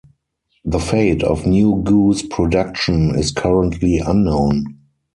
The fate of new Goose production is currently unknown.